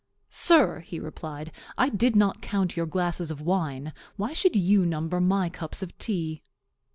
'Sir,' he replied, 'I did not count your glasses of wine; why should you number my cups of tea?'"